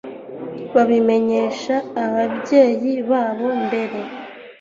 babimenyesha ababyeyi babo mbere